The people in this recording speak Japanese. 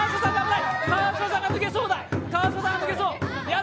川島さんが抜けそう。